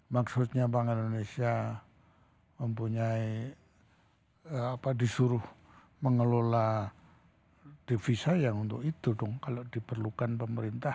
maksudnya bank indonesia mempunyai apa disuruh mengelola devisa ya untuk itu dong kalau diperlukan pemerintah